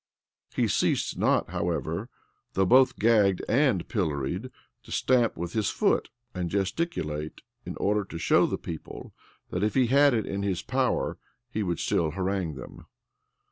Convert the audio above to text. He ceased not, however, though both gagged and pilloried, to stamp with his foot and gesticulate, in order to show the people that, if he had it in his power, he would still harangue them.